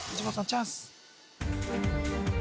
チャンス